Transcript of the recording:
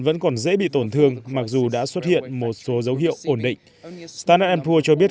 vẫn còn dễ bị tổn thương mặc dù đã xuất hiện một số dấu hiệu ổn định standard poor s cho biết